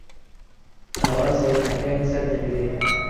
ئاوا سەوداکەیان سەردەگرێ